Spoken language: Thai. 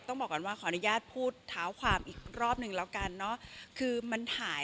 ต้องบอกก่อนว่าขออนุญาตพูดเท้าความอีกรอบหนึ่งแล้วกันเนอะคือมันหาย